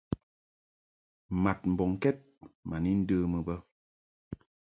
Mad mbɔŋkɛd ma ni ndəmɨ bə.